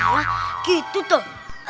wah gitu tuh